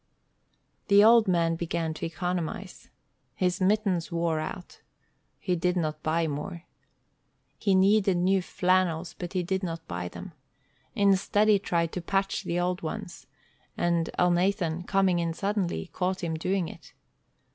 The old man began to economize. His mittens wore out. He did not buy more. He needed new flannels, but he did not buy them. Instead he tried to patch the old ones, and Elnathan, coming in suddenly, caught him doing it.